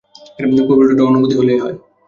পবিত্ররা অনুমতি হলেই হয়।